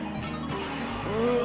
うわ！